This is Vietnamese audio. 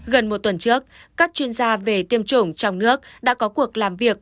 gần một tuần trước các chuyên gia về tiêm chủng trong nước đã có cuộc làm việc